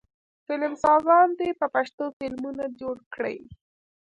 فلمسازان دې په پښتو فلمونه جوړ کړي.